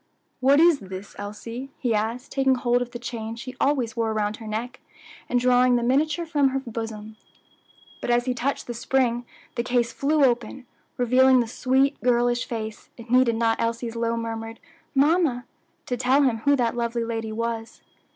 "What is this, Elsie?" he asked, taking hold of the chain she always wore around her neck, and drawing the miniature from her bosom. But as he touched the spring the case flew open, revealing the sweet, girlish face, it needed not Elsie's low murmured "Mamma" to tell him who that lovely lady was.